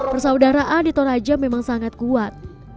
persaudaraan di tonaja memang sangat kuat